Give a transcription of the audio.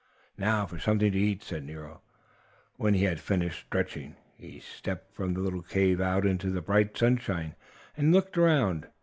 "Now for something to eat!" said Nero, when he had finished stretching. He stepped from the little cave out into the bright sunshine, and looked around.